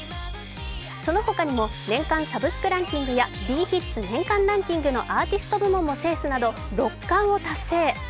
その他にも年間サブスクランキングやｄヒッツ年間ランキングのアーティスト部門も制するなど６冠を達成。